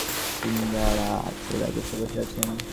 আপনি আরাম করে বসে নেই-শিরদাঁড়া সোজা করে বসে আছেন।